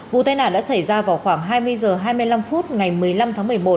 vụ tai nạn đã xảy ra vào khoảng hai mươi h hai mươi năm phút ngày một mươi năm tháng một mươi một